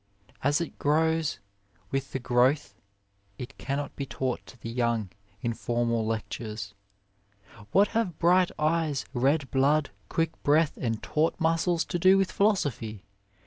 As it grows with the growth it 5 A WAY cannot be taught to the young in formal lectures. What have bright eyes, red blood, quick breath and taut muscles to do with philosophy?